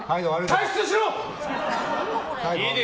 退出しろ！